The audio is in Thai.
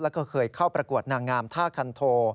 แล้วก็เคยเข้าประกวดนางงามท่าคันโท